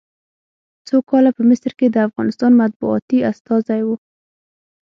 څو کاله په مصر کې د افغانستان مطبوعاتي استازی و.